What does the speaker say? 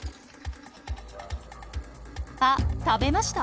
あっ食べました！